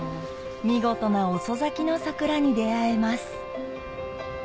見事な遅咲きの桜に出合えます